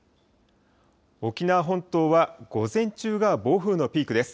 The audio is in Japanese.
沖縄本島は午前中が暴風のピークです。